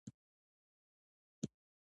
ماشوم چې ارزښت ومومي یوازې نه پاتې کېږي.